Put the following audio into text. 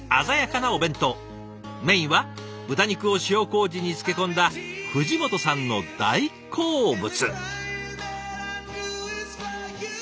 メインは豚肉を塩こうじに漬け込んだ藤本さんの大好物。